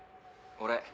俺。